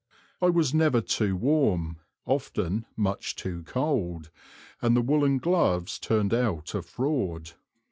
I was never too warm, often much too cold, and the woollen gloves turned out a fraud.